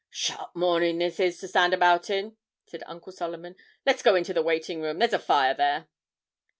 'Sharp morning this to stand about in,' said Uncle Solomon; 'let's go into the waiting room, there's a fire there.'